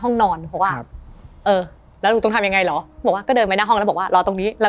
ห้องหน้านอนพูดว่าแล้วต้องทำยังไงเหรอจะเดินไปนะห้องแล้วบอกว่ารอตรงนี้แล้ว